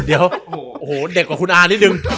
เด็กกว่าคุณอานิดนึง